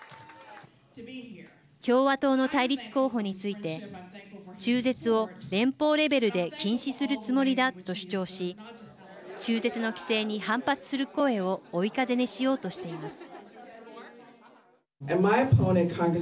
共和党の対立候補について中絶を連邦レベルで禁止するつもりだと主張し中絶の規制に反発する声を追い風にしようとしています。